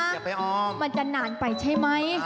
อย่าไปออกมันจะนานไปใช่ไหม